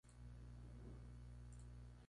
Es un sulfuro simple de vanadio, anhidro.